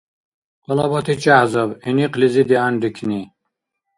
Къалабати чяхӀ-заб. ГӀиникълизи дигӀянрикни.